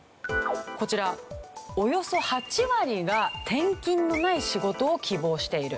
こちらおよそ８割が転勤のない仕事を希望している。